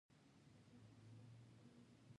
افغانستان د هلمند د دغه لوی سیند لپاره مشهور دی.